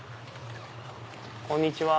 こんにちは。